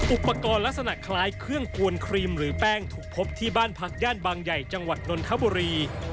อุปกรณ์ลักษณะคล้ายเครื่องกวนครีมหรือแป้งถูกพบที่บ้านพักย่านบางใหญ่จังหวัดนนทบุรี